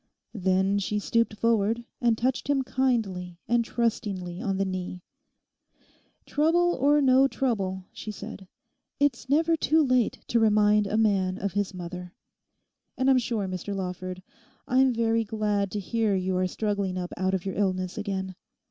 Then she stooped forward and touched him kindly and trustingly on the knee. 'Trouble or no trouble,' she said, 'it's never too late to remind a man of his mother. And I'm sure, Mr Lawford, I'm very glad to hear you are struggling up out of your illness again.